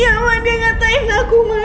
ya ma dia ngatain aku ma